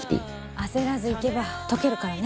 焦らず行けば解けるからね。